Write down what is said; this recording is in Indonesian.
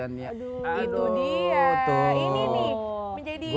menjadi satu hal yang diapresiasi